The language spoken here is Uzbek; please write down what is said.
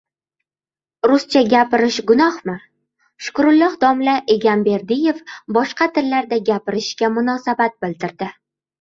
«Ruscha gapirish gunohmi?» — Shukurulloh domla Egamberdiyev boshqa tillarda gapirishga munosabat bildirdi